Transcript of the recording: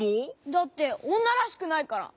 だっておんならしくないから！